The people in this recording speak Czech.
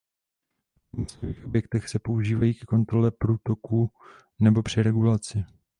V průmyslových objektech se používají ke kontrole průtoku nebo při regulaci.